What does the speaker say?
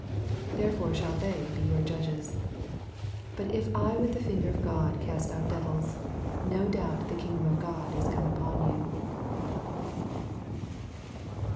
therefore shall they be your judges. 20 But if I with the finger of God cast out devils, no doubt the kingdom of God is come upon you.